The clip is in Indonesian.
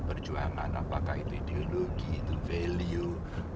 perjuangan apakah itu ideologi itu value